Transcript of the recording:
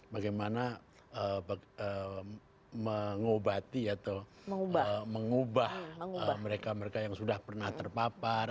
bagaimana mengobati atau mengubah mereka mereka yang sudah pernah terpapar